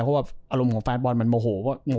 เพราะอารมณ์ของแฟนบอลมันโมโห